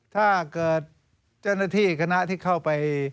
ถ้าเกิดเจ้าหน้าที่คณะที่เข้าไป